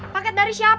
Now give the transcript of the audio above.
paket dari siapa